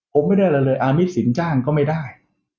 ผมไม่ได้อะไรเลยอามิตสินจ้างก็ไม่ได้